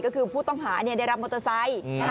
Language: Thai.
ก็คือผู้ต้องหาได้รับมอเตอร์ไซค์